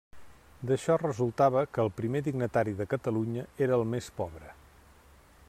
D'això resultava que el primer dignatari de Catalunya era el més pobre.